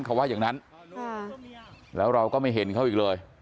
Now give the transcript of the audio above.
เขาว่าอย่างนั้นแล้วเราก็ไม่เห็นเขาอีกเลย